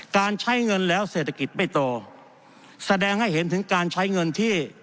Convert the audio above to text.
การใช้เงินแล้วเศรษฐกิจไม่โตแสดงให้เห็นถึงการใช้เงินที่